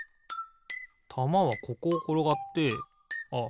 たまはここをころがってあっ